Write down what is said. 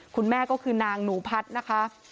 คุณแม่ก็คือนางหนูพัดนะคะ